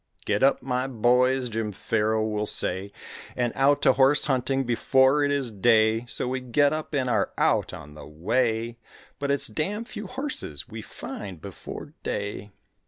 "Get up, my boys," Jim Farrow will say, "And out to horse hunting before it is day." So we get up and are out on the way But it's damn few horses we find before day.